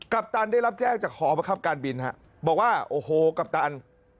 ปัปตันได้รับแจ้งจากหอประคับการบินฮะบอกว่าโอ้โหกัปตัน